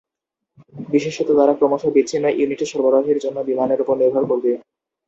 বিশেষত, তারা ক্রমশ বিচ্ছিন্ন ইউনিটে সরবরাহের জন্য বিমানের উপর নির্ভর করবে।